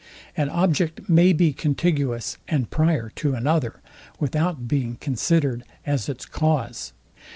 An object may be contiguous and prior to another, without being considered as its cause.